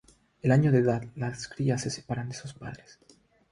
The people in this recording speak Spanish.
Al año de edad las crías se separan de sus padres.